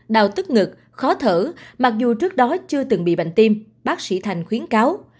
đào tức ngực khó thở mặc dù trước đó chưa từng bị bệnh tim bác sĩ thành khuyến cáo